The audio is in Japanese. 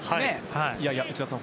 内田さん